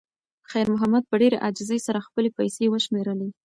خیر محمد په ډېرې عاجزۍ سره خپلې پیسې وشمېرلې.